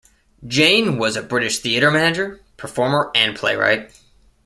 Jane was a British theatre manager, performer, and playwright.